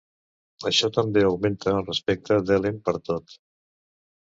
Això també augmenta el respecte d'Helen per Tod.